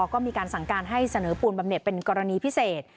ก็มีการสั่งการให้เสนอปูนบำเน็ตเป็นกรณีพิเศษ